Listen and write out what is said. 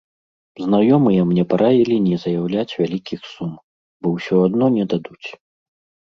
Знаёмыя мне параілі не заяўляць вялікіх сум, бо ўсё адно не дадуць.